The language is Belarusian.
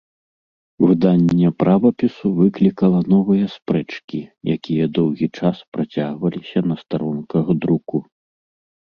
Выданне правапісу выклікала новыя спрэчкі, якія доўгі час працягваліся на старонках друку.